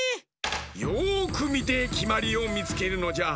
よくみてきまりをみつけるのじゃ。